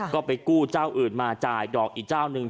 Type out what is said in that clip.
ก็ไปกู้เจ้าอื่นมาจ่ายดอกอีกเจ้าหนึ่ง